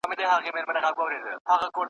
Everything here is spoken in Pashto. سمدستي یې سوله خلاصه د زړه غوټه ,